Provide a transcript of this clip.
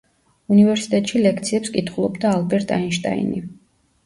უნივერსიტეტში ლექციებს კითხულობდა ალბერტ აინშტაინი.